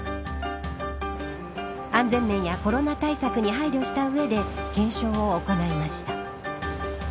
安全面やコロナ対策に配慮した上で検証を行いました。